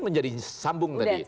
menjadi sambung tadi